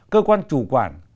cơ quan chủ quản